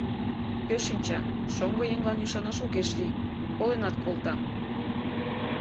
Кӧ шинча, шоҥго еҥлан ӱшанаш огеш лий, коленат колта.